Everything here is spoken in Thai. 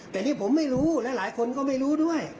แต่นี่ผมไม่รู้และหลายคนก็ไม่รู้ด้วย